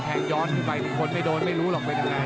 แท่งย้อนไปคนไปโดนไม่รู้เป็นอย่างไร